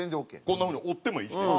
こんな風に折ってもいいしね。